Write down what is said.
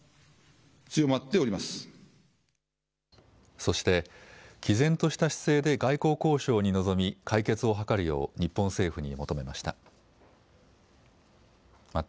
そして、きぜんとした姿勢で外交交渉に臨み解決を図るよう日本政府に求めました。